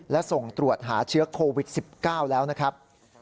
และส่งตรวจหาเชื้อโควิด๑๙แล้วนะครับ